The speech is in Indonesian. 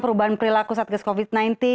perubahan perilaku satgas covid sembilan belas